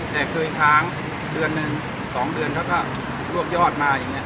แต่เคยค้างเดือนหนึ่ง๒เดือนเขาก็ลวกยอดมาอย่างนี้